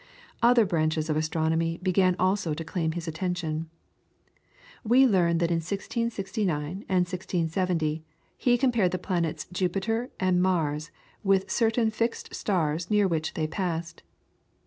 Other branches of astronomy began also to claim his attention. We learn that in 1669 and 1670 he compared the planets Jupiter and Mars with certain fixed stars near which they passed.